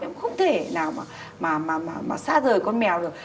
em không thể nào mà xa rời con mèo được